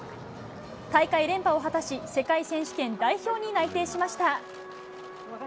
大会連覇を果たし、世界選手権代表に内定しました。